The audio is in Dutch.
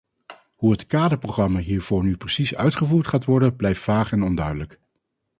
Hoe het kaderprogramma hiervoor nu precies uitgevoerd gaat worden blijft vaag en onduidelijk.